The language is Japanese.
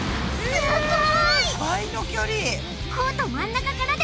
すごい！